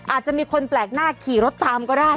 อาจจะมีคนแปลกหน้าขี่รถตามก็ได้